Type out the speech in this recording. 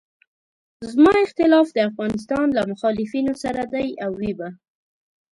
زما اختلاف د افغانستان له مخالفینو سره دی او وي به.